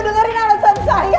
dengerin alasan saya